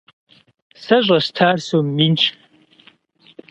Сэ щӀэстар сом минщ.